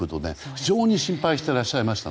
非常に心配していらっしゃいました。